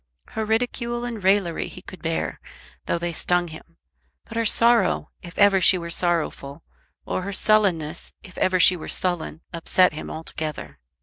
Her ridicule and raillery he could bear, though they stung him; but her sorrow, if ever she were sorrowful, or her sullenness, if ever she were sullen, upset him altogether.